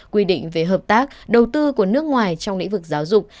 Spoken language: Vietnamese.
quy định về hợp tác đầu tư của nước ngoài trong lĩnh vực giáo dục